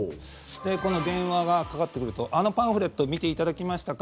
電話がかかってくるとあのパンフレットを見ていただきましたか？